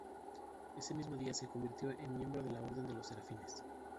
Ese mismo día se convirtió en miembro de la Orden de los Serafines.